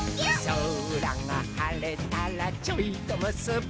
「そらがはれたらちょいとむすび」